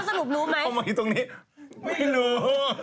สรุปรู้ไหมเอามาอยู่ตรงนี้ไม่รู้